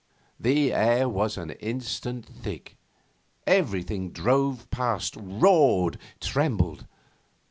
The air was in an instant thick. Everything drove past, roared, trembled.